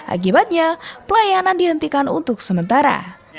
akibatnya pelayanan dihentikan untuk sementara